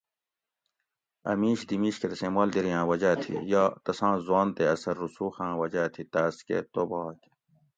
اۤ میش دی میش کہ تسیں مالدیریاں وجاۤ تھی یا تساں حٔوان تے اثر رسوخاں وجاۤ تھی تاس کہ توباک